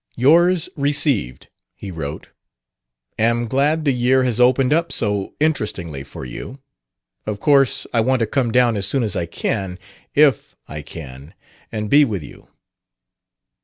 "Yours received," he wrote. "Am glad the year has opened up so interestingly for you. Of course I want to come down as soon as I can, if I can, and be with you."